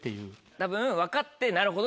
たぶん分かって「なるほど」。